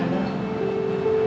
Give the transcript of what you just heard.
mama sekarang lega loh